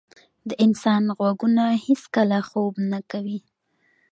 د انسان غوږونه هیڅکله خوب نه کوي.